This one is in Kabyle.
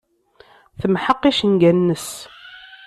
Temḥeq icenga-nnes.